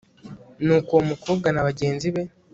nuko uwo mukobwa na bagenzi be